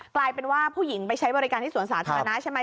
กลายเป็นว่าผู้หญิงไปใช้บริการที่สวนสาธารณะใช่ไหม